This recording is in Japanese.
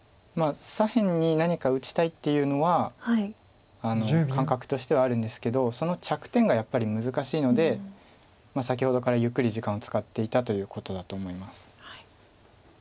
左辺に何か打ちたいっていうのは感覚としてはあるんですけどその着点がやっぱり難しいので先ほどからゆっくり時間を使っていたということだと思います。